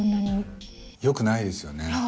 よくないですよね。